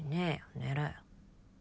寝ろよ。